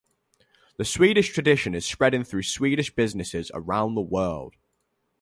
The Swedish tradition is spreading through Swedish businesses around the world.